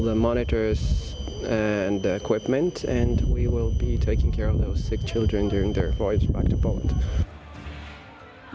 semua monitor dan peralatan dan kita akan menjaga anak anak yang sakit dalam perjalanan ke polandia